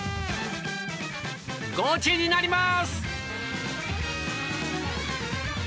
ゴチになります！